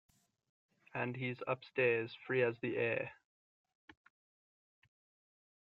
And he's upstairs free as the air.